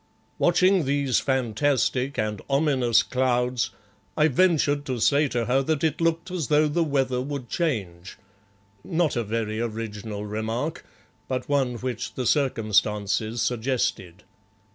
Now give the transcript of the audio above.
Watching these fantastic and ominous clouds, I ventured to say to her that it looked as though the weather would change not a very original remark, but one which the circumstances suggested.